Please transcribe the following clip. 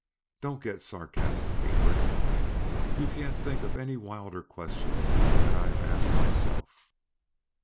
"Don't get sarcastic!" he grinned. "You can't think of any wilder questions than I have asked myself.